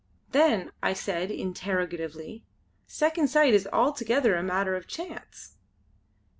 "Then," I said interrogatively "Second Sight is altogether a matter of chance?"